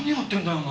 お前。